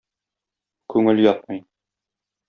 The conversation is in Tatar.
Күңел ятмый.